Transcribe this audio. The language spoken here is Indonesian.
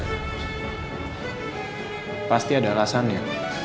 hai pasti ada alasan ya